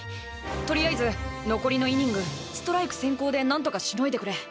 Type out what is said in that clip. とりあえず残りのイニングストライク先行でなんとかしのいでくれ。